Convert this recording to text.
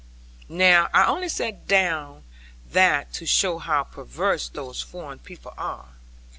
Now I only set down that to show how perverse those foreign people are.